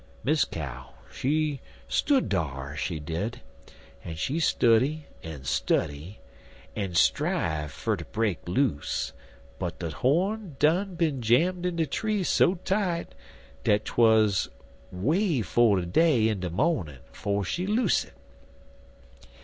"Miss Cow, she stood dar, she did, en she study en study, en strive fer ter break loose, but de horn done bin jam in de tree so tight dat twuz way 'fo day in de mornin' 'fo' she loose it.